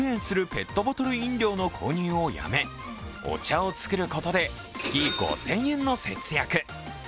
ペットボトル飲料の購入をやめお茶を作ることで、月５０００円の節約。